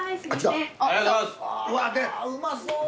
・うまそう。